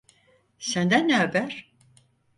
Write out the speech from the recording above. Senden ne haber?